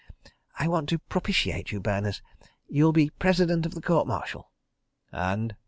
"I want to propitiate you, Berners. You'll be President of the Court Martial." "And?"